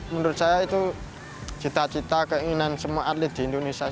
menurut saya itu cita cita keinginan semua atlet di indonesia